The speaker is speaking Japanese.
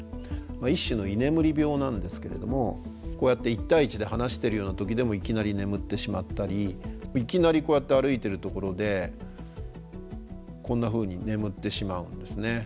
一種の居眠り病なんですけれどもこうやって１対１で話してるような時でもいきなり眠ってしまったりいきなりこうやって歩いてるところでこんなふうに眠ってしまうんですね。